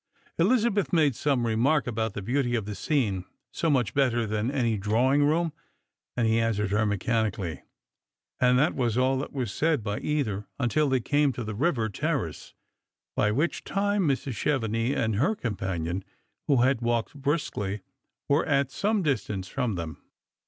Ehzabeth made some remark about the beauty of the scene — 80 much better than any drawing room — and he answered her mechanically, and that was all that was said by either until they came to the river terrace, by which time Mrs. Chevenix and her companion, vfho had walked briskly, were at some distance from them.